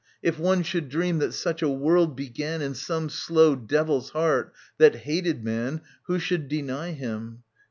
If one should dream that such a world began In some slow devil's heart, that hated man, Who should deny him